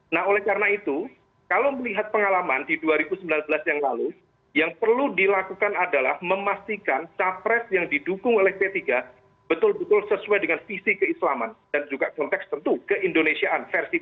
nah oleh karena itu kalau melihat pengalaman di dua ribu sembilan belas yang lalu yang perlu dilakukan adalah memastikan capres yang didukung oleh p tiga betul betul sesuai dengan visi keislaman dan juga konteks tentu keindonesiaan versi p tiga